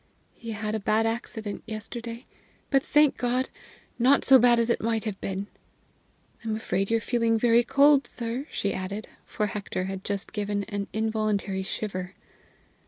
He had a bad accident yesterday, but thank God! not so bad as it might have been. I'm afraid you're feeling very cold, sir," she added, for Hector had just given an involuntary shiver.